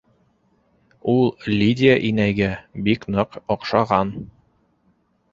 Ул Лидия инәйгә бик ныҡ оҡшаған.